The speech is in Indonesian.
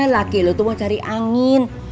laki lu tuh mau cari angin